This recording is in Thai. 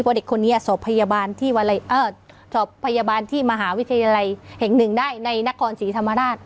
เพราะเด็กคนนี้อ่ะสอบพยาบาลที่วันอะไรเอ่อสอบพยาบาลที่มหาวิทยาลัยแห่งหนึ่งได้ในนครศรีธรรมดาตร